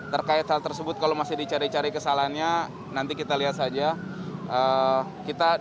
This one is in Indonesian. terkait hal tersebut kalau masih dicari cari kesalahannya nanti kita lihat saja